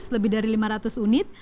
lebih dari lima ratus unit